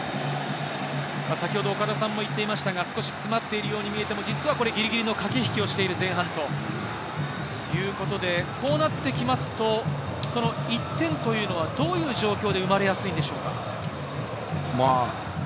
先ほど岡田さんも言っていましたが、少し詰まっているように見えても、実はギリギリの駆け引きをしている前半ということで、こうなってきますと、１点というのはどういう状況で生まれやすいんでしょうか？